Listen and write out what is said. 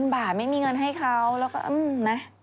๓๐๐๐บาทไม่มีเงินให้เขาแล้วก็อื้อน่ะ